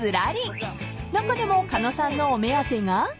［中でも狩野さんのお目当てが］